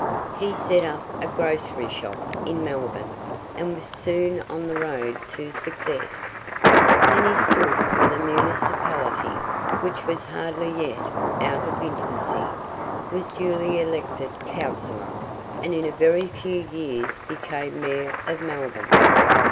He set up a grocery shop in Melbourne, and was soon on the road to success. Then he stood for the municipality, which was hardly yet out of infancy, was duly elected councillor, and in a very few years became Mayor of Melbourne.